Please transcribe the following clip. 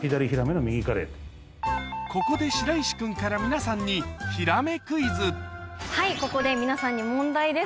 ここで白石君から皆さんにはいここで皆さんに問題です。